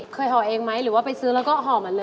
ห่อเองไหมหรือว่าไปซื้อแล้วก็ห่อมันเลย